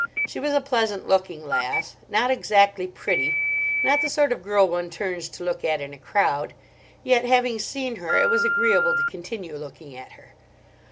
She was a pleasant looking lass, not exactly pretty—not the sort of girl one turns to look at in a crowd—yet, having seen her, it was agreeable to continue looking at her.